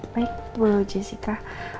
baik bu jessica